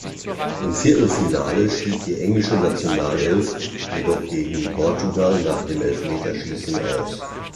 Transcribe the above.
Im Viertelfinale schied die englische Nationalelf jedoch gegen Portugal nach dem Elfmeterschießen aus.